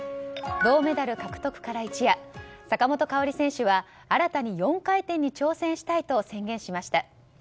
銅メダル獲得から一夜坂本花織選手は新たに４回転に挑戦したいと宣言しました。